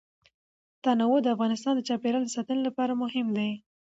تنوع د افغانستان د چاپیریال ساتنې لپاره مهم دي.